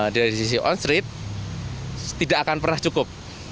dari sisi on street tidak akan pernah cukup